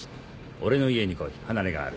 俺の家に来い離れがある。